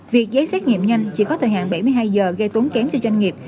việc giấy xét nghiệm nhanh chỉ có thời hạn bảy mươi hai giờ gây tốn kém cho doanh nghiệp